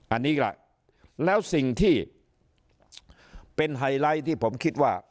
อันนี้ล่ะแล้วสิ่งที่เป็นไฮไลท์ที่ผมคิดว่า